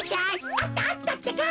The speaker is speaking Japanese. あったあったってか。